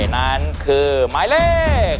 นั่นคือหมายเลข